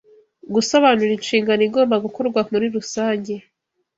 gusobanura inshingano igomba gukorwa muri rusange